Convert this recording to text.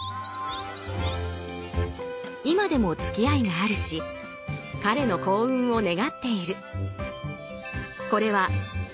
今でもつきあいがあるし彼の幸運を願っている。